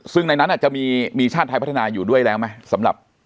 ซึ่งในนั้นอาจจะมีชาติไทยพัฒนาอยู่ด้วยแล้วไหมสำหรับ